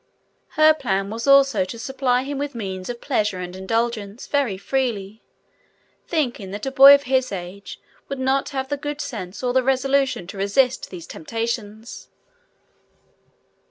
Her plan was also to supply him with means of pleasure and indulgence very freely, thinking that a boy of his age would not have the good sense or the resolution to resist these temptations.